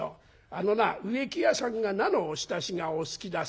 あのな植木屋さんが菜のおひたしがお好きだそうだ。